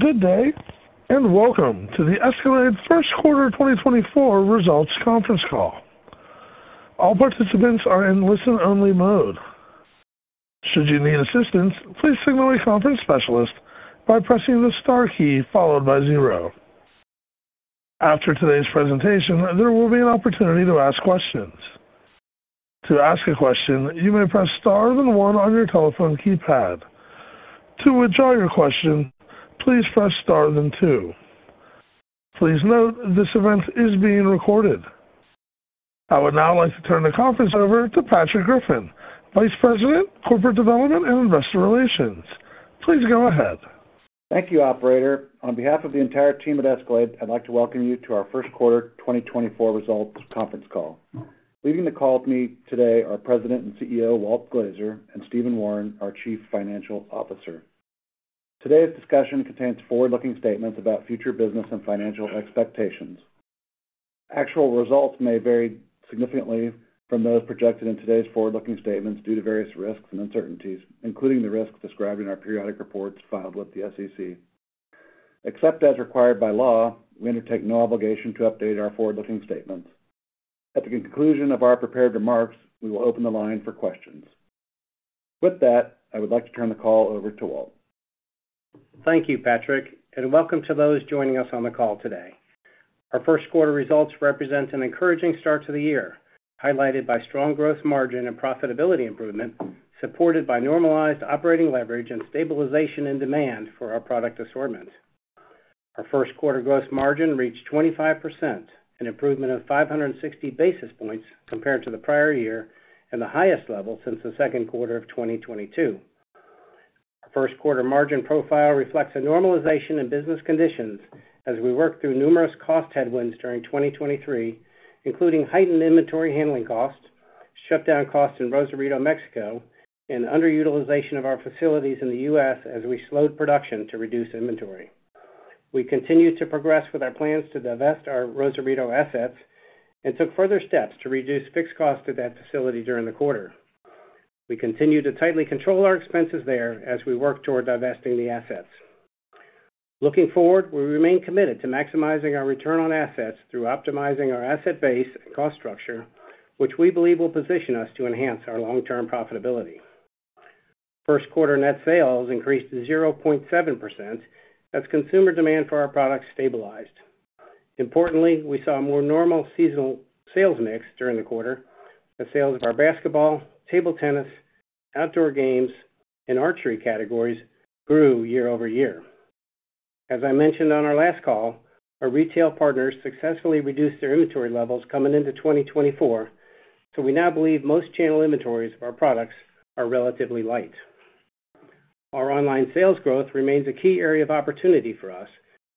Good day and welcome to the Escalade First Quarter 2024 Results Conference Call. All participants are in listen-only mode. Should you need assistance, please signal a conference specialist by pressing the star key followed by zero. After today's presentation, there will be an opportunity to ask questions. To ask a question, you may press star then one on your telephone keypad. To withdraw your question, please press star then two. Please note this event is being recorded. I would now like to turn the conference over to Patrick Griffin, Vice President Corporate Development and Investor Relations. Please go ahead. Thank you, operator. On behalf of the entire team at Escalade, I'd like to welcome you to our First Quarter 2024 Results Conference Call. Leading the call with me today are President and CEO Walt Glazer and Stephen Wawrin, our Chief Financial Officer. Today's discussion contains forward-looking statements about future business and financial expectations. Actual results may vary significantly from those projected in today's forward-looking statements due to various risks and uncertainties, including the risks described in our periodic reports filed with the SEC. Except as required by law, we undertake no obligation to update our forward-looking statements. At the conclusion of our prepared remarks, we will open the line for questions. With that, I would like to turn the call over to Walt. Thank you, Patrick, and welcome to those joining us on the call today. Our first quarter results represents an encouraging start to the year, highlighted by strong gross margin and profitability improvement supported by normalized operating leverage and stabilization in demand for our product assortment. Our first quarter gross margin reached 25%, an improvement of 560 basis points compared to the prior year and the highest level since the second quarter of 2022. Our first quarter margin profile reflects a normalization in business conditions as we work through numerous cost headwinds during 2023, including heightened inventory handling costs, shutdown costs in Rosarito, Mexico, and underutilization of our facilities in the U.S. as we slowed production to reduce inventory. We continue to progress with our plans to divest our Rosarito assets and took further steps to reduce fixed costs at that facility during the quarter. We continue to tightly control our expenses there as we work toward divesting the assets. Looking forward, we remain committed to maximizing our return on assets through optimizing our asset base and cost structure, which we believe will position us to enhance our long-term profitability. First Quarter Net Sales increased 0.7% as consumer demand for our products stabilized. Importantly, we saw a more normal seasonal sales mix during the quarter as sales of our basketball, table tennis, outdoor games, and archery categories grew year-over-year. As I mentioned on our last call, our retail partners successfully reduced their inventory levels coming into 2024, so we now believe most channel inventories of our products are relatively light. Our online sales growth remains a key area of opportunity for us,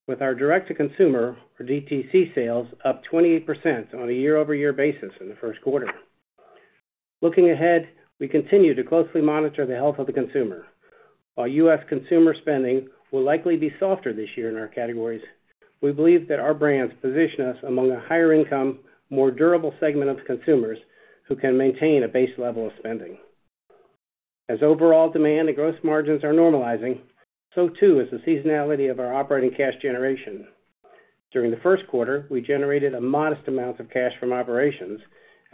with our direct-to-consumer, or DTC, sales up 28% on a year-over-year basis in the first quarter. Looking ahead, we continue to closely monitor the health of the consumer. While U.S. consumer spending will likely be softer this year in our categories, we believe that our brands position us among a higher-income, more durable segment of consumers who can maintain a base level of spending. As overall demand and gross margins are normalizing, so too is the seasonality of our operating cash generation. During the first quarter, we generated a modest amount of cash from operations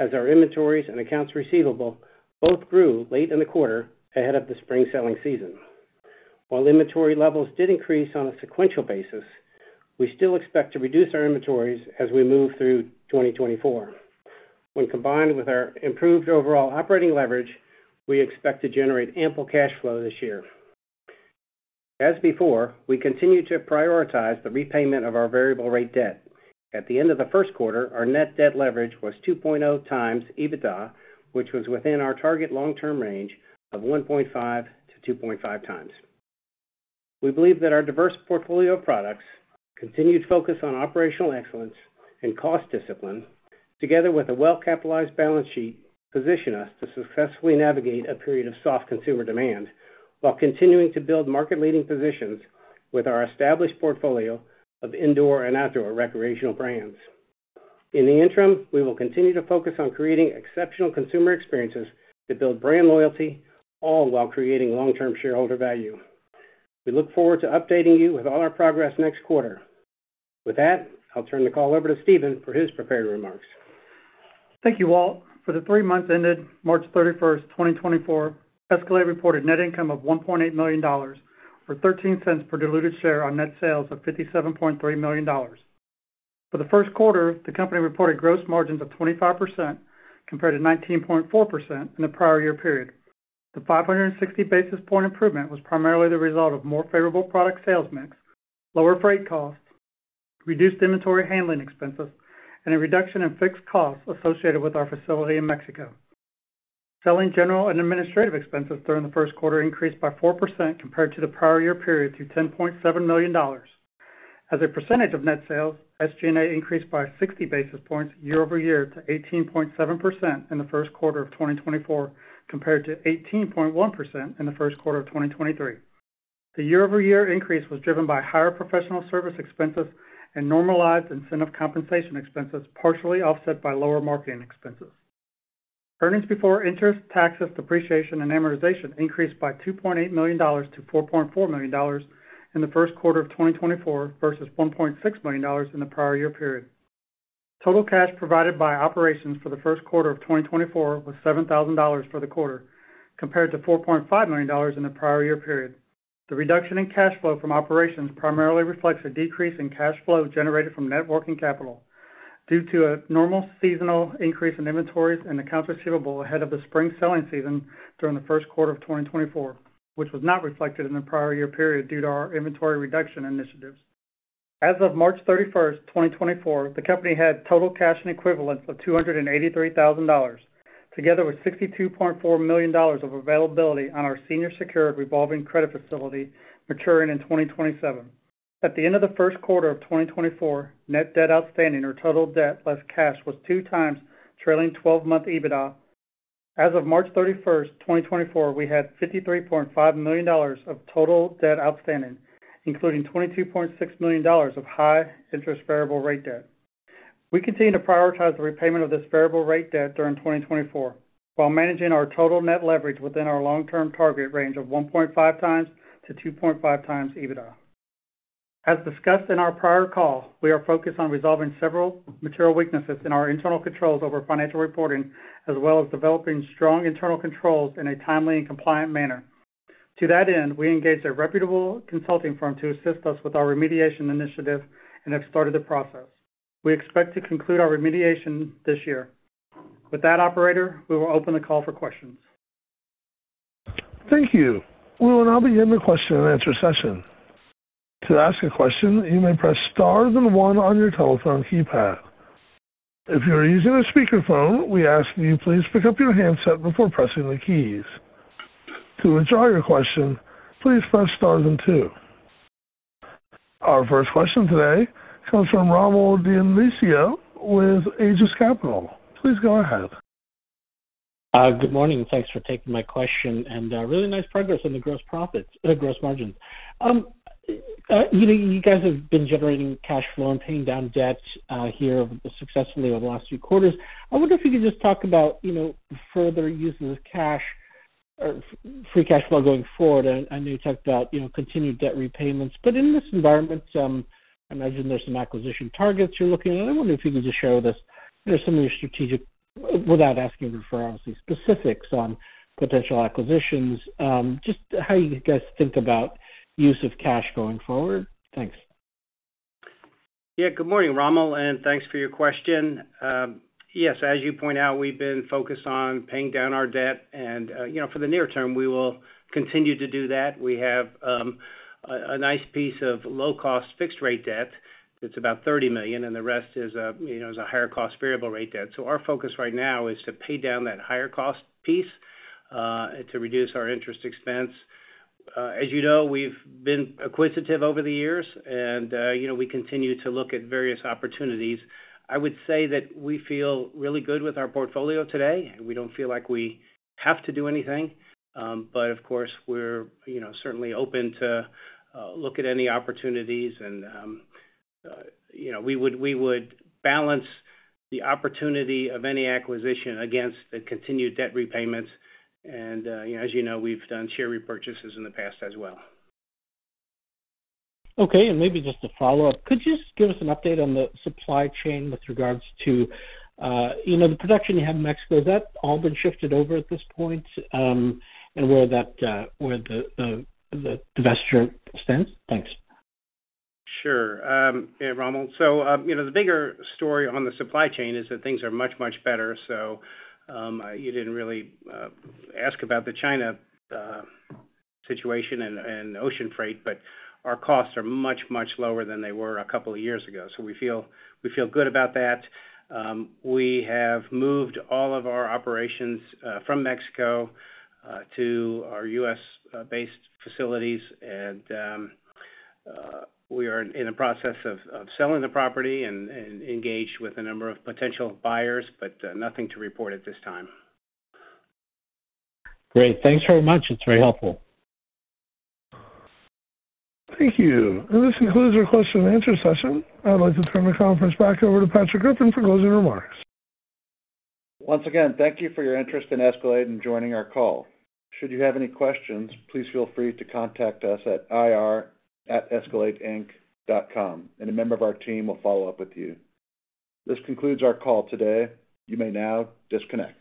as our inventories and accounts receivable both grew late in the quarter ahead of the spring selling season. While inventory levels did increase on a sequential basis, we still expect to reduce our inventories as we move through 2024. When combined with our improved overall operating leverage, we expect to generate ample cash flow this year. As before, we continue to prioritize the repayment of our variable-rate debt. At the end of the first quarter, our net debt leverage was 2.0x EBITDA, which was within our target long-term range of 1.5x-2.5x. We believe that our diverse portfolio of products, continued focus on operational excellence, and cost discipline, together with a well-capitalized balance sheet, position us to successfully navigate a period of soft consumer demand while continuing to build market-leading positions with our established portfolio of indoor and outdoor recreational brands. In the interim, we will continue to focus on creating exceptional consumer experiences to build brand loyalty, all while creating long-term shareholder value. We look forward to updating you with all our progress next quarter. With that, I'll turn the call over to Stephen for his prepared remarks. Thank you, Walt. For the three months ended March 31st, 2024, Escalade reported net income of $1.8 million or $0.13 per diluted share on net sales of $57.3 million. For the first quarter, the company reported gross margins of 25% compared to 19.4% in the prior year period. The 560 basis points improvement was primarily the result of more favorable product sales mix, lower freight costs, reduced inventory handling expenses, and a reduction in fixed costs associated with our facility in Mexico. Selling, general, and administrative expenses during the first quarter increased by 4% compared to the prior year period to $10.7 million. As a percentage of net sales, SG&A increased by 60 basis points year over year to 18.7% in the first quarter of 2024 compared to 18.1% in the first quarter of 2023. The year-over-year increase was driven by higher professional service expenses and normalized incentive compensation expenses partially offset by lower marketing expenses. Earnings before interest, taxes, depreciation, and amortization increased by $2.8 million to $4.4 million in the first quarter of 2024 versus $1.6 million in the prior year period. Total cash provided by operations for the first quarter of 2024 was $7,000 for the quarter compared to $4.5 million in the prior year period. The reduction in cash flow from operations primarily reflects a decrease in cash flow generated from net working capital due to a normal seasonal increase in inventories and accounts receivable ahead of the spring selling season during the first quarter of 2024, which was not reflected in the prior year period due to our inventory reduction initiatives. As of March 31st, 2024, the company had total cash and equivalents of $283,000 together with $62.4 million of availability on our senior-secured revolving credit facility maturing in 2027. At the end of the first quarter of 2024, net debt outstanding or total debt less cash was 2x trailing 12-month EBITDA. As of March 31st, 2024, we had $53.5 million of total debt outstanding, including $22.6 million of high-interest variable-rate debt. We continue to prioritize the repayment of this variable-rate debt during 2024 while managing our total net leverage within our long-term target range of 1.5x-2.5x EBITDA. As discussed in our prior call, we are focused on resolving several material weaknesses in our internal controls over financial reporting as well as developing strong internal controls in a timely and compliant manner. To that end, we engaged a reputable consulting firm to assist us with our remediation initiative and have started the process. We expect to conclude our remediation this year. With that, operator, we will open the call for questions. Thank you. Well, and I'll begin the question and answer session. To ask a question, you may press star, then one on your telephone keypad. If you're using a speakerphone, we ask that you please pick up your handset before pressing the keys. To withdraw your question, please press star, then two. Our first question today comes from Rommel Dionisio with Aegis Capital. Please go ahead. Good morning. Thanks for taking my question. Really nice progress on the gross profits gross margins. You guys have been generating cash flow and paying down debt here successfully over the last few quarters. I wonder if you could just talk about further use of cash or free cash flow going forward. I know you talked about continued debt repayments. In this environment, I imagine there's some acquisition targets you're looking at. I wonder if you could just share with us some of your strategic without asking for, obviously, specifics on potential acquisitions, just how you guys think about use of cash going forward. Thanks. Yeah. Good morning, Rommel, and thanks for your question. Yes, as you point out, we've been focused on paying down our debt. For the near term, we will continue to do that. We have a nice piece of low-cost fixed-rate debt. It's about $30 million, and the rest is a higher-cost variable-rate debt. So our focus right now is to pay down that higher-cost piece to reduce our interest expense. As you know, we've been acquisitive over the years, and we continue to look at various opportunities. I would say that we feel really good with our portfolio today, and we don't feel like we have to do anything. But of course, we're certainly open to look at any opportunities. We would balance the opportunity of any acquisition against the continued debt repayments. As you know, we've done share repurchases in the past as well. Okay. Maybe just a follow-up, could you just give us an update on the supply chain with regards to the production you have in Mexico? Has that all been shifted over at this point and where the inventory stands? Thanks. Sure, Rommel. So the bigger story on the supply chain is that things are much, much better. So you didn't really ask about the China situation and ocean freight, but our costs are much, much lower than they were a couple of years ago. So we feel good about that. We have moved all of our operations from Mexico to our U.S.-based facilities, and we are in the process of selling the property and engaged with a number of potential buyers, but nothing to report at this time. Great. Thanks very much. It's very helpful. Thank you. This concludes our question and answer session. I'd like to turn the conference back over to Patrick Griffin for closing remarks. Once again, thank you for your interest in Escalade and joining our call. Should you have any questions, please feel free to contact us at ir@escaladeinc.com, and a member of our team will follow up with you. This concludes our call today. You may now disconnect.